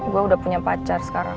gue udah punya pacar sekarang